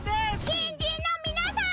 新人のみなさん。